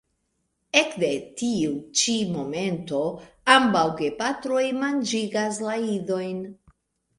Ekde tiu ĉi momento ambaŭ gepatroj manĝigas la idojn.